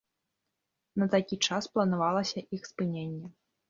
На такі час планавалася іх спыненне.